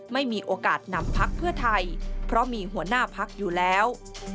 ไม่มีโอกาสนำพักเพื่อไทยเพราะมีหัวหน้าพักอยู่แล้ว